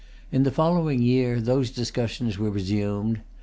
In the following year, those discussions were resumed.